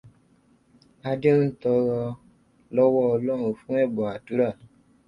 Adé ń tọrọ lọ́wọ́ ọlọ́run fún ẹ̀bùn àdúrà